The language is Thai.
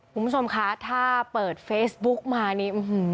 คุณผู้ชมคะถ้าเปิดเฟซบุ๊กมานี่อื้อหือ